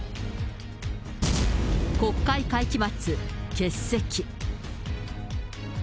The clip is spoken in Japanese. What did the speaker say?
国会会期末欠席。